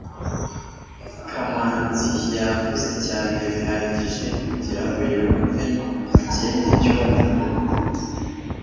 kamanzi yavuze cyane bihagije kugirango yumve mu kindi cyumba